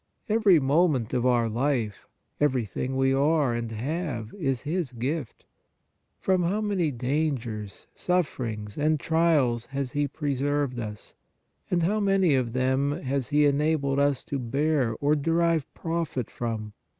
Ever^mo ment. Qf our life, everything we are and have is His _gifk From how many dangers, sufferings and trials has He preserved us, and how many of them has He enabled us to bear or derive profit from!